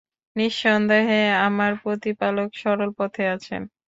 নিঃসন্দেহে আমার প্রতিপালক সরল পথে আছেন।